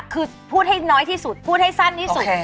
คือพูดให้น้อยที่สุดพูดให้สั้นที่สุด